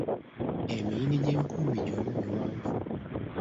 Emiyini gy’enkumbi gyonna miwanvu.